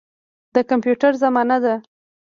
د کمپیوټر زمانه ده.